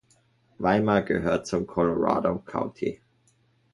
Weimar gehört zum Colorado County.